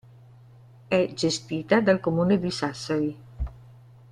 È gestita dal Comune di Sassari.